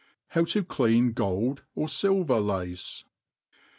How to clean Gold or Silver Lace.